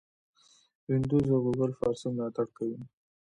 وینډوز او ګوګل فارسي ملاتړ کوي.